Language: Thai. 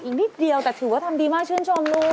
อีกนิดเดียวแต่ถือว่าทำดีมากชื่นชมลูก